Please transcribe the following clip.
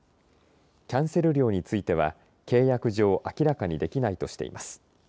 キャンセル料については契約上明らかにできないとしています。